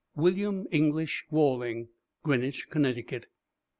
WILLIAM ENGLISH WALLING. Greenwich, Connecticut.